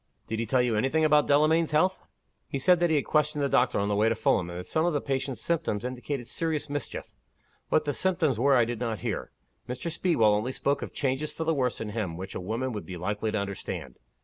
'" "Did he tell you any thing about Delamayn's health?" "He said that he had questioned the doctor on the way to Fulham, and that some of the patient's symptoms indicated serious mischief. What the symptoms were I did not hear. Mr. Speedwell only spoke of changes for the worse in him which a woman would be likely to understand.